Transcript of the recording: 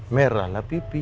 merah lah pipi